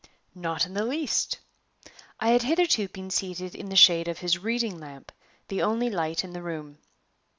"Not in the least." I had hitherto been seated in the shade of his reading lamp, the only light in the room.